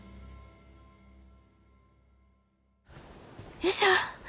よいしょ。